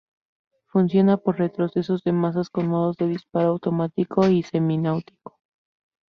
Funciona por retroceso de masas con modos de disparo automático y semiautomático.